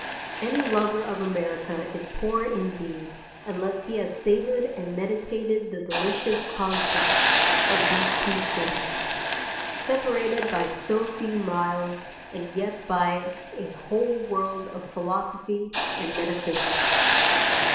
Any lover of America is poor indeed unless he has savoured and meditated the delicious contrast of these two cities, separated by so few miles and yet by a whole world of philosophy and metaphysics.